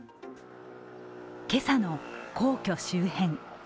今朝の皇居周辺。